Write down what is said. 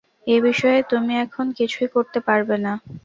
এ বিষয়ে তুমি এখন কিছুই করতে পারবে না।